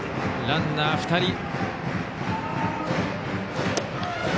ランナー２人。